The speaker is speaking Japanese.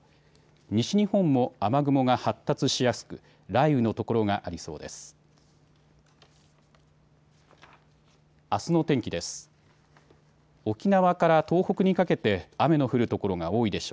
西日本も雨雲が発達しやすく雷雨の所がありそうです。